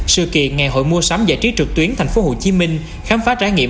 sự kiện ngày hội mua sắm giải trí trực tuyến tp hcm khám phá trải nghiệm